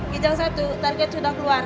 kijang satu target sudah keluar